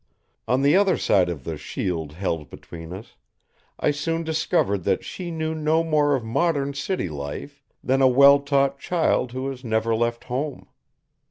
On the other side of the shield held between us, I soon discovered that she knew no more of modern city life than a well taught child who has never left home.